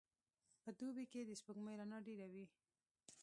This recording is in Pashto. په دوبي کي د سپوږمۍ رڼا ډېره وي.